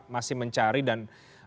masih mencari dan